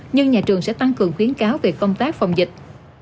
nhưng nhà trường sẽ tăng cường khuyến cáo về công tác phòng dịch